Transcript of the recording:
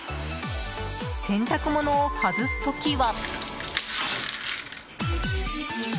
洗濯物を外す時は。